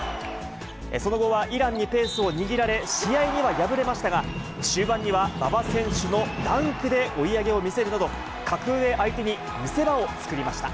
その後はイランにペースを握られ、試合には敗れましたが、終盤には馬場選手のダンクで追い上げを見せるなど、格上相手に見せ場を作りました。